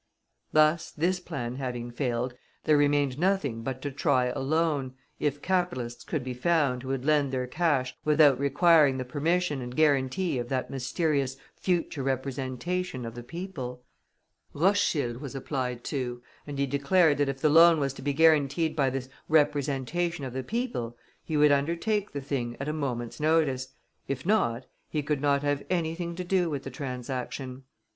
Thus, this plan having failed, there remained nothing but to try a loan, if capitalists could be found who would lend their cash without requiring the permission and guarantee of that mysterious "future Representation of the People." Rothschild was applied to, and he declared that if the loan was to be guaranteed by this "Representation of the People," he would undertake the thing at a moment's notice if not, he could not have anything to do with the transaction.